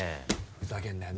ふざけんなよ。